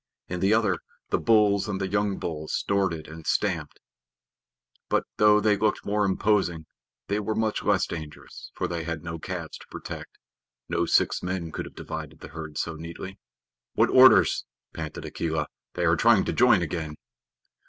In the other, the bulls and the young bulls snorted and stamped, but though they looked more imposing they were much less dangerous, for they had no calves to protect. No six men could have divided the herd so neatly. "What orders!" panted Akela. "They are trying to join again."